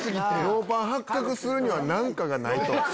ノーパン発覚するには何かがないと。